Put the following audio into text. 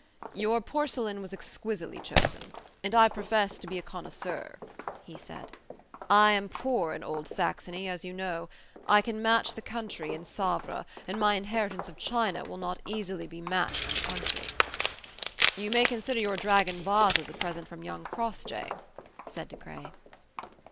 "Your porcelain was exquisitely chosen, and I profess to be a connoisseur," he said. "I am poor in Old Saxony, as you know; I can match the country in Savres, and my inheritance of China will not easily be matched in the country." "You may consider your Dragon vases a present from young Crossjay," said De Craye.